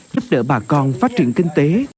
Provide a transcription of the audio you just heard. giúp đỡ bà con phát triển kinh tế